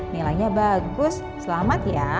nilainya bagus selamat ya